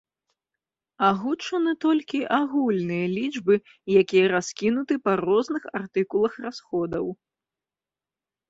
Агучаны толькі агульныя лічбы, якія раскінуты па розных артыкулах расходаў.